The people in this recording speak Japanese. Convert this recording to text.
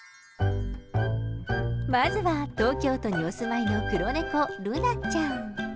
まずは東京都にお住いの黒猫、ルナちゃん。